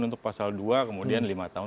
untuk pasal dua kemudian lima tahun